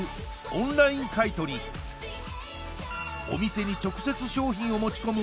オンライン買取お店に直接商品を持ち込む